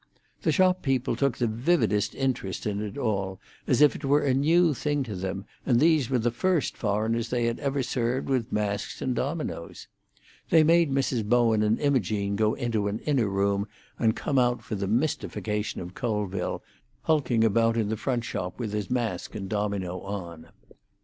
The shop people took the vividest interest in it all, as if it were a new thing to them, and these were the first foreigners they had ever served with masks and dominoes. They made Mrs. Bowen and Imogene go into an inner room and come out for the mystification of Colville, hulking about in the front shop with his mask and domino on.